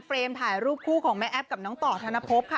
ถ่ายรูปคู่ของแม่แอ๊บกับน้องต่อธนภพค่ะ